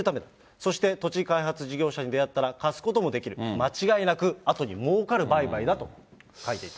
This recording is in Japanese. そして、土地開発事業に出会ったら貸すこともできる、間違いなくあとにもうかる売買だと書いていた。